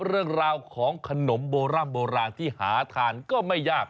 เรื่องราวของขนมโบร่ำโบราณที่หาทานก็ไม่ยาก